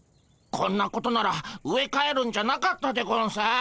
こんなことなら植え替えるんじゃなかったでゴンス。